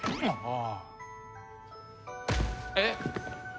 えっ！